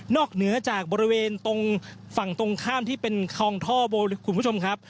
เหนือจากบริเวณตรงฝั่งตรงข้ามที่เป็นคลองท่อโบคุณผู้ชมครับ